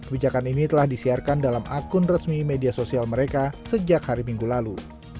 bijakan ini telah disiarkan dalam akun resmi media sosial mereka sejak hari minggu lalu